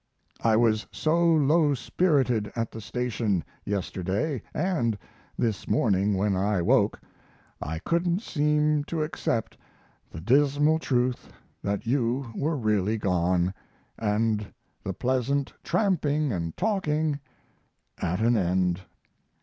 I was so low spirited at the station yesterday, and this morning, when I woke, I couldn't seem to accept the dismal truth that you were really gone, and the pleasant tramping and talking at an end.